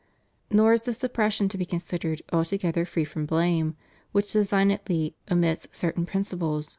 * Nor is the suppression to be considered altogether free from blame, which designedly omits certain principles of ' Conal de Fid.